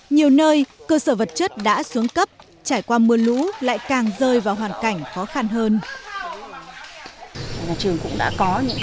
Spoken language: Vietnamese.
nhiều nơi cơ sở vật chất đã xuống cấp trải qua mưa lũ lại càng rơi vào hoàn cảnh khó khăn hơn